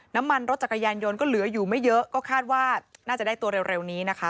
น้ำมันรถจักรยานยนต์ก็เหลืออยู่ไม่เยอะก็คาดว่าน่าจะได้ตัวเร็วนี้นะคะ